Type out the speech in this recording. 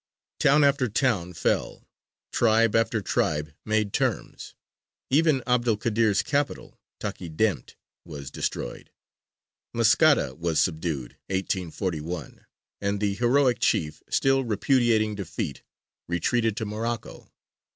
Town after town fell; tribe after tribe made terms; even 'Abd el Kādir's capital, Takidemt, was destroyed; Maskara was subdued (1841); and the heroic chief, still repudiating defeat, retreated to Morocco.